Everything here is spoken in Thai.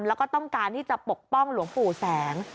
แล้วก็ต้องการที่จะปกป้องหลวงปู่แสง